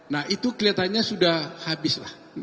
nah itu kelihatannya sudah habis lah